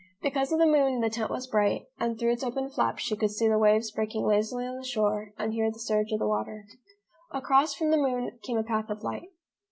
Because of the moon the tent was bright, and through its open flaps she could see the waves breaking lazily on the shore, and hear the surge of the water. Across from the moon came a path of light.